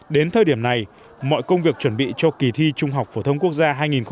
đến thời điểm này mọi công việc chuẩn bị cho kỳ thi trung học phổ thông quốc gia hai nghìn một mươi chín